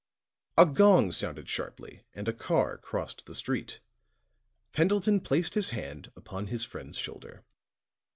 A gong sounded sharply and a car crossed the street. Pendleton placed his hand upon his friend's shoulder.